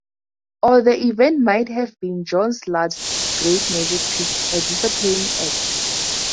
Or the event might have been John's last great magic trick, a disappearing act.